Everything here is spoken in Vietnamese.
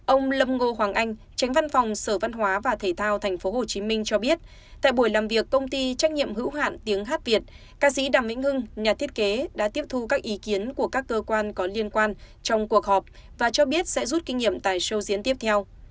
ông lâm ngô hoàng anh tránh văn phòng sở văn hóa và thể thao tp hcm cho biết tại buổi làm việc công ty trách nhiệm hữu hạn tiếng hát việt ca sĩ đàm vĩnh hưng nhà thiết kế đã tiếp thu các ý kiến của các cơ quan có liên quan trong cuộc họp và cho biết sẽ rút kinh nghiệm tại show diễn tiếp theo